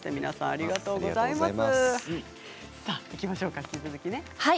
ありがとうございます。